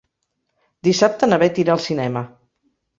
Dissabte na Beth irà al cinema.